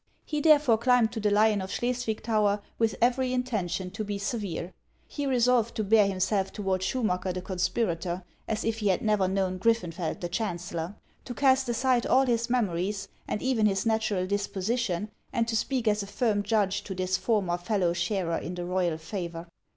He therefore climbed to the Lion of Schleswig tower with every intention to be severe ; he resolved to bear himself toward Schumacker the conspira tor as if he had never known Griffenfeld the chancellor, — to cast aside all his memories, and even his natural disposition, and to speak as a firm judge to this former fellow sharer in the royal favor.